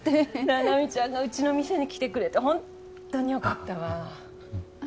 菜々美ちゃんがうちの店に来てくれてほんとによかったわぁ。